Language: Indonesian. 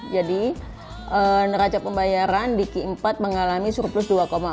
jadi neraca pembayaran di q empat mengalami surplus dua empat